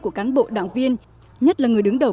của cán bộ đảng viên nhất là người đứng đầu